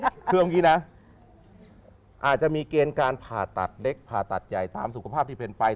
คือเอางี้นะอาจจะมีเกณฑ์การผ่าตัดเล็กผ่าตัดใหญ่ตามสุขภาพที่เป็นไป